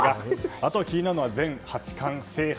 あと気になるのは全八冠制覇。